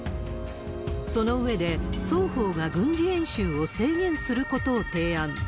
その上で、双方が軍事演習を制限することを提案。